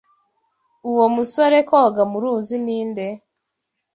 Uwo musore koga mu ruzi ninde?